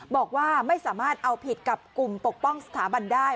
บอกว่าไม่สามารถเอาผิดกับกลุ่มปกป้องสถาบันได้